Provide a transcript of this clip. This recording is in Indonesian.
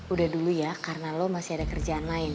udah dulu ya karena lo masih ada kerjaan lain